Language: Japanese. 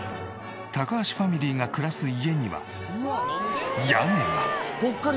橋ファミリーが暮らす家には屋根が。